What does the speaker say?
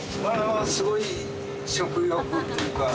すごい食欲というか。